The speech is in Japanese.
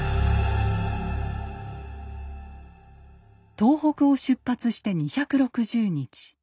東北を出発して２６０日。